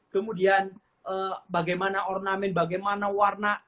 kemudian bagaimana ornamen bagaimana warna